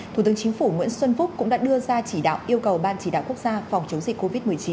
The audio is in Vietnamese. thủ tướng chính phủ nguyễn xuân phúc cũng đã đưa ra chỉ đạo yêu cầu ban chỉ đạo quốc gia phòng chống dịch covid một mươi chín